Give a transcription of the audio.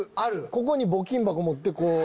ここに募金箱持ってこう。